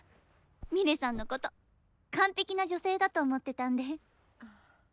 ミレさんのこと完璧な女性だと思ってたんで。